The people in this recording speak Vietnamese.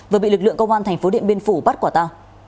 và bị lực lượng công an tp điện biên phủ bắt quả ta